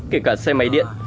kể cả xe máy điện